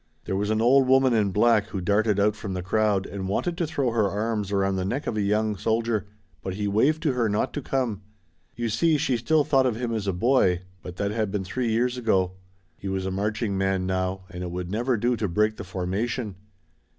There was an old woman in black who darted out from the crowd and wanted to throw her arms around the neck of a young soldier, but he waved to her not to come. You see she still thought of him as a boy, but that had been three years ago. He was a marching man now and it would never do to break the formation.